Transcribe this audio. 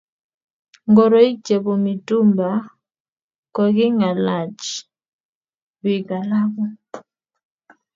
Ngoroik chebo mitumba kogigolach bik alagu